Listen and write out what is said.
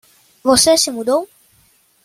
Você se mudou